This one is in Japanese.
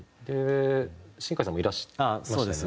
新海さんもいらしてましたよね？